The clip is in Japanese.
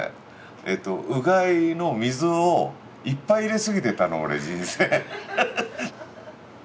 えとうがいの水をいっぱい入れすぎてたの俺人生。